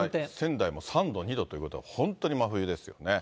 仙台も３度、２度ということは本当に真冬ですよね。